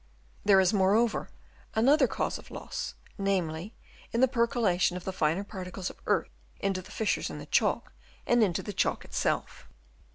There is, more over, another cause of loss, namely, in the per colation of the finer particles of earth into the fissures in the chalk and into the chalk itself.